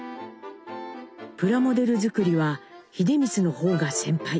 プラモデル作りは英光の方が先輩。